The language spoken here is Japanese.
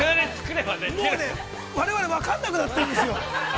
◆我々、分からなくなってるんですよ。